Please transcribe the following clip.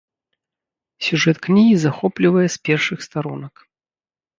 Сюжэт кнігі захоплівае з першых старонак.